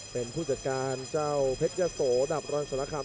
เป็นผู้จัดการเจ้าเพชรยะโสดับรันสารคำ